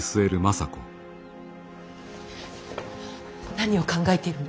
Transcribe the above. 何を考えているの。